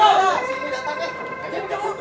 sya definisi ini menurutmu